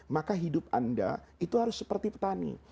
maka hidup anda itu harus seperti petani